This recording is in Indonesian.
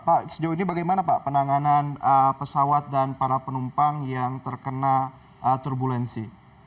pak sejauh ini bagaimana pak penanganan pesawat dan para penumpang yang terkena turbulensi